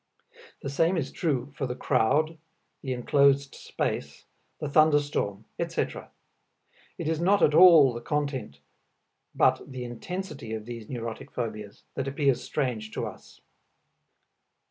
The same is true for the crowd, the enclosed space, the thunder storm, etc. It is not at all the content but the intensity of these neurotic phobias that appears strange to us.